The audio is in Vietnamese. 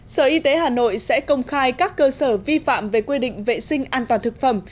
sở y tế hà nội sẽ công khai các cơ sở vi phạm về quy định vệ sinh an toàn thực phẩm